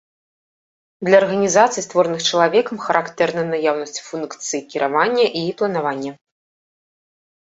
Для арганізацый, створаных чалавекам, характэрна наяўнасць функцый кіравання і планавання.